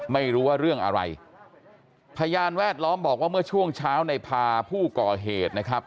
ไม่รู้ว่าเรื่องอะไรพยานแวดล้อมบอกว่าเมื่อช่วงเช้าในพาผู้ก่อเหตุนะครับ